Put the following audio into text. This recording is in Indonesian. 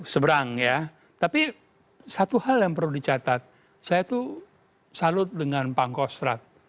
seberang ya tapi satu hal yang perlu dicatat saya tuh salut dengan pangkostrat